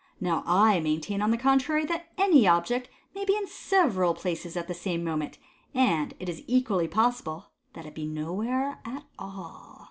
Now I maintain, on the contrary, that any object may be in several places at the same moment, and that it is equally possible that it may be nowhere at all.